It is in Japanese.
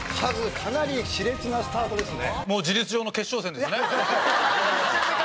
かなり熾烈なスタートですね。